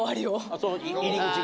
その入り口が。